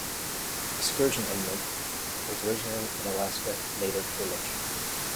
Excursion Inlet was originally an Alaska Native village.